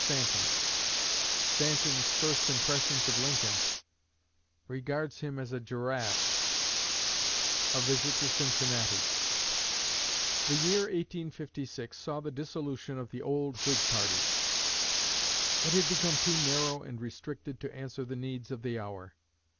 Stanton Stanton's First Impressions of Lincoln Regards Him as a "Giraffe" A Visit to Cincinnati. The year 1856 saw the dissolution of the old Whig party. It had become too narrow and restricted to answer the needs of the hour.